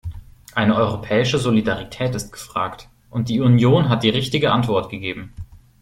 Eine europäische Solidarität ist gefragt, und die Union hat die richtige Antwort gegeben.